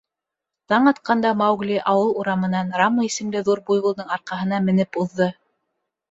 Таң атҡанда Маугли ауыл урамынан Рама исемле ҙур буйволдың арҡаһына менеп уҙҙы.